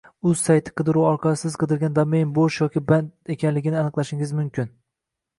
Uz sayti qidiruvi orqali Siz qidirgan domain bo’sh yoki band ekanligini aniqlashingiz